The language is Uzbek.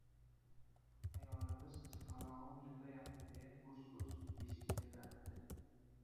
Ayolimiz chaqalog‘im yig‘layapti deya, gurs-gurs beshik tebratdi.